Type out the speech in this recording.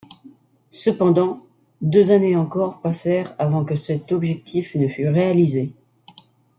Cependant, deux années encore passèrent avant que cet objectif ne fût réalisé.